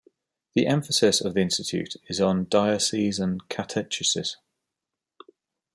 The emphasis of the Institute is on Diocesan catechesis.